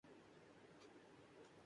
اب مرشد کا مقابلہ تو نہیں کر سکتا